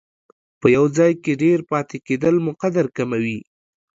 په یو ځای کې ډېر پاتې کېدل مو قدر کموي.